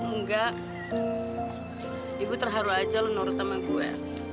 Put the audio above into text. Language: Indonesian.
enggak ibu terharu aja lo menurut sama gue